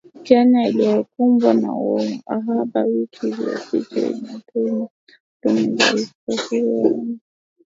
Kenya ilikumbwa na uhaba wiki iliyopita, ikidumaza huduma za usafiri wa umma